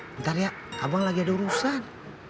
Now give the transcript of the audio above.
ntar ya abang lagi ada urusan